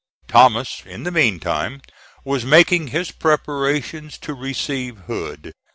Thomas, in the meantime, was making his preparations to receive Hood.